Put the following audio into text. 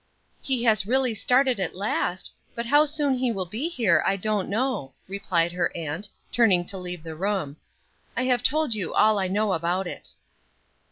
"He has really started at last; but how soon he will be here I don't know," replied her aunt, turning to leave the room. "I have told you all I know about it."